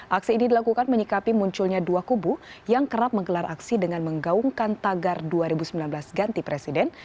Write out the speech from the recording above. aksi ini dilakukan menyikapi munculnya dua kubu yang kerap menggelar aksi dengan menggaungkan tagar dua ribu sembilan belas ganti presiden